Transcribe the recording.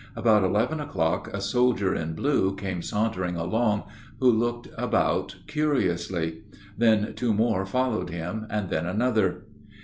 About eleven o'clock a soldier in blue came sauntering along, who looked about curiously. Then two more followed him, and then another.